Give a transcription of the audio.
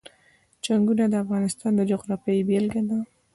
چنګلونه د افغانستان د جغرافیې بېلګه ده.